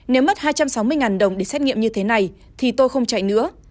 nếu mất hai trăm sáu mươi đồng để xét nghiệm như thế này thì tôi không chạy nữa